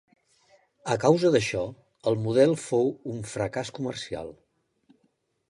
A causa d'això, el model fou un fracàs comercial.